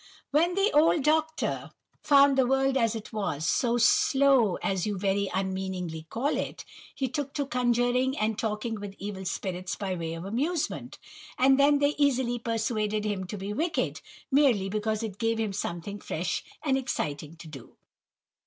when the old Doctor found the world as it was, so 'slow,' as you very unmeaningly call it, he took to conjuring and talking with evil spirits by way of amusement; and then they easily persuaded him to be wicked, merely because it gave him something fresh and exciting to do."